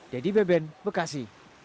dedy beben bekasi